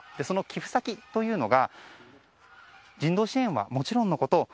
その寄付先というのが人道支援はもちろんのこと